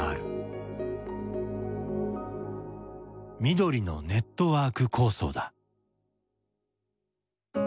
みどりのネットワーク構想だ。